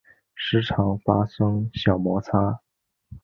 时常发生小摩擦